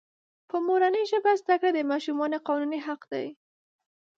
په مورنۍ ژبه زده کړه دماشومانو قانوني حق دی.